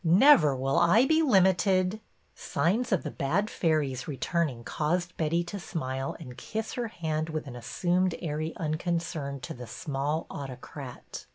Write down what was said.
Never will I be limited —" Signs of the bad fairies returning caused Betty to smile and kiss her hand with assumed airy un concern to the small autocrat.